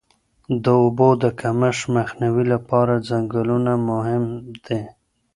د اوبو د کمښت مخنیوي لپاره ځنګلونه مهم دي.